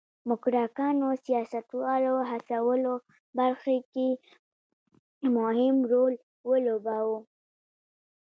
موکراکانو سیاستوالو هڅولو برخه کې مهم رول ولوباوه.